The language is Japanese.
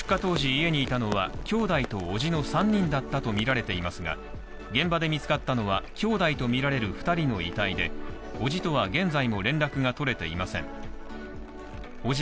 出火当時家にいたのは、兄弟と伯父の３人だったとみられていますが、現場で見つかったのは兄弟とみられる２人の遺体で、伯父とは現在も連絡が取れていません